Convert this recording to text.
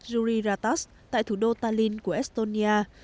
yuri ratas tại thủ đô tallinn của estonia